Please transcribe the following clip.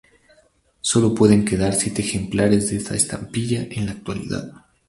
Solo quedan siete ejemplares de esta estampilla en la actualidad.